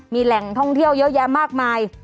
มีแหล่งท่องเที่ยวเยอะแยะมากมาย